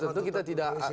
tentu kita tidak